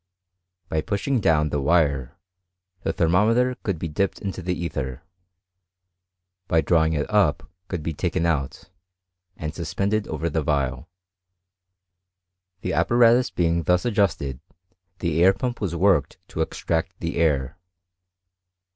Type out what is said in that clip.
By pushing down the wire, the thermometer could be dip ped into the ether ; by drawing it up it could be taken «ut, and suspended over the phial. The apparatus being thus adjusted, the air pump was worked to extract the air.